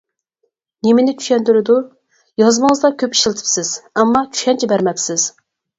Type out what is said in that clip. نېمىنى چۈشەندۈرىدۇ؟ يازمىڭىزدا كۆپ ئىشلىتىپسىز، ئەمما چۈشەنچە بەرمەپسىز.